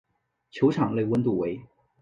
球场内温度为。